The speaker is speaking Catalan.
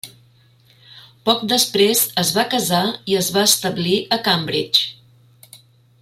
Poc després es va casar i es va establir a Cambridge.